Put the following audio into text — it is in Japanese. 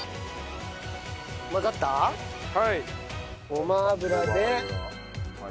ごま油で。